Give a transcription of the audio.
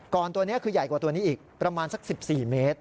ตัวนี้คือใหญ่กว่าตัวนี้อีกประมาณสัก๑๔เมตร